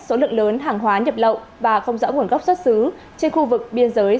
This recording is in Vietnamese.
số lượng lớn hàng hóa nhập lậu và không rõ nguồn gốc xuất xứ trên khu vực biên giới